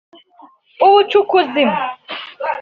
ubucukuzi